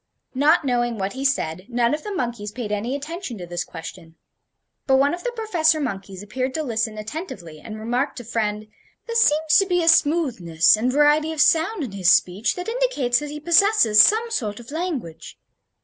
Not knowing what he said, none of the monkeys paid any attention to this question. But one of the professor monkeys appeared to listen attentively, and remarked to friend: "There seems to be a smoothness and variety of sound in his speech that indicates that he possesses some sort of language.